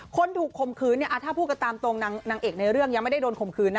คนถูกข่มขืนเนี่ยถ้าพูดกันตามตรงนางเอกในเรื่องยังไม่ได้โดนข่มขืนนะ